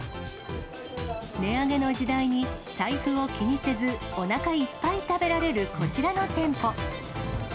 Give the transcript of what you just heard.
値上げの時代に、財布を気にせずおなかいっぱい食べられるこちらの店舗。